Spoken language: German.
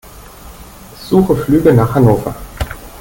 Suche Flüge nach Hannover.